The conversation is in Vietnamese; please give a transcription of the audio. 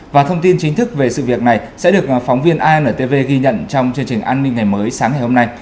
và thông tin chính thức về sự việc này sẽ được phóng viên intv ghi nhận trong chương trình an ninh ngày mới sáng ngày hôm nay